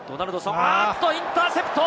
おっとインターセプト！